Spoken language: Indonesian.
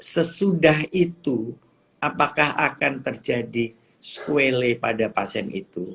sesudah itu apakah akan terjadi squela pada pasien itu